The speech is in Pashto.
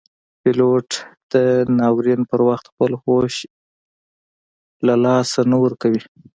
پیلوټ د ناورین پر وخت خپل هوش نه له لاسه ورکوي.